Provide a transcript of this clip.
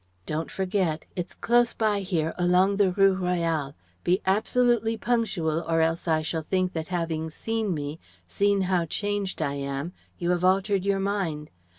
Don't forget! It's close by here along the Rue Royale. Be absolutely punctual, or else I shall think that having seen me, seen how changed I am, you have altered your mind.